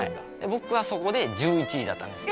僕はそこで１１位だったんです。